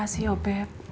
makasih yoh beb